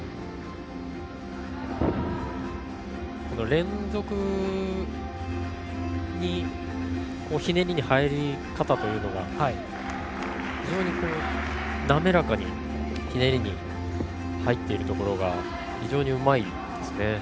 連続にひねりに入り方というのが非常に滑らかにひねりに入っているところが非常にうまいですね。